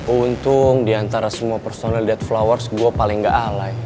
untung diantara semua personel di dead flowers gue paling gak alay